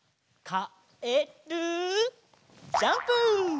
かえるジャンプ！